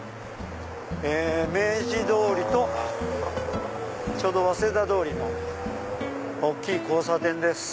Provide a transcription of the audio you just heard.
明治通りと早稲田通りの大きい交差点です。